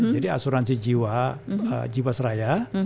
jadi asuransi jiwa seraya